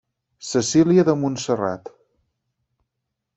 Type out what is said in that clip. Cecília de Montserrat.